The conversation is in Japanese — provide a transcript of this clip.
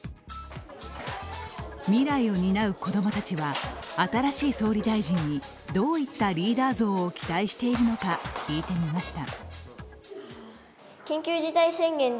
未来を担う子供たちは新しい総理大臣にどういったリーダー像を期待しているのか、聞いてみました。